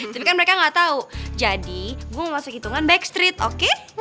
tapi kan mereka ga tau jadi gue mau masuk hitungan backstreet oke